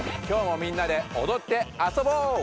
今日もみんなでおどってあそぼう！